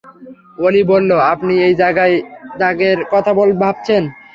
ওলি বললো, আপনি এই জায়গায় ত্যাগের কথা ভাবছেন।